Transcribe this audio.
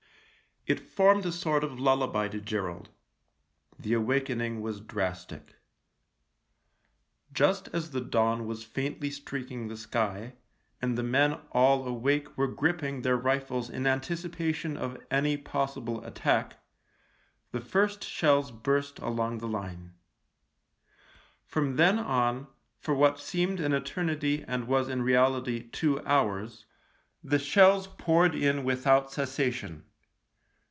It formed a sort of lullaby to Gerald. The awakening was drastic. ••••• Just as the dawn was faintly streaking the sky, and the men all awake were gripping their rifles in anticipation of any possible 32 THE LIEUTENANT attack, the first shells burst along the line. From then on, for what seemed an eternity and was in reality two hours, the shells poured in without cessation.